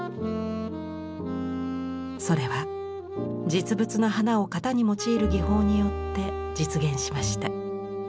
それは実物の花を型に用いる技法によって実現しました。